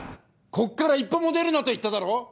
こっから一歩も出るなと言っただろ！